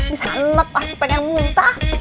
bisa lep pasti pengen muntah